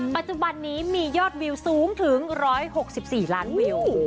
ปัจจุบันนี้มียอดวิวสูงถึง๑๖๔ล้านวิว